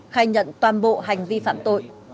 khai nhận toàn bộ hành vi phạm tội